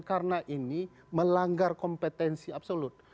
karena ini melanggar kompetensi absolut